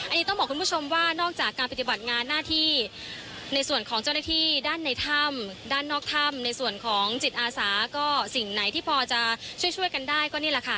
อันนี้ต้องบอกคุณผู้ชมว่านอกจากการปฏิบัติงานหน้าที่ในส่วนของเจ้าหน้าที่ด้านในถ้ำด้านนอกถ้ำในส่วนของจิตอาสาก็สิ่งไหนที่พอจะช่วยช่วยกันได้ก็นี่แหละค่ะ